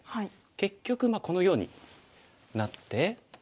結局このようになって。